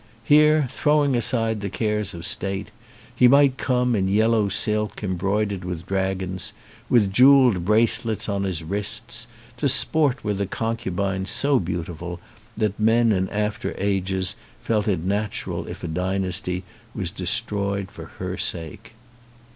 Here throwing aside the cares of state, he might come in yellow silk em broidered with dragons, with jewelled bracelets on his wrists, to sport with a concubine so beautiful that men in after ages felt it natural if a dynasty was destroyed for her sake.